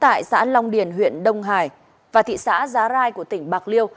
tại xã long điền huyện đông hải và thị xã giá rai của tỉnh bạc liêu